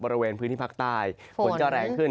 บริเวณพื้นที่ภาคใต้ฝนจะแรงขึ้น